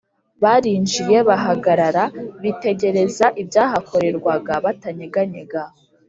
barinjiye, bahagarara bitegereza ibyahakorerwaga batanyeganyega